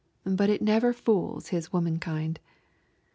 But it never fools his womankind.